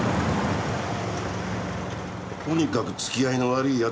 とにかく付き合いの悪い奴でしたよ